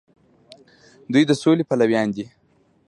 دوی د سولې پلویان دي.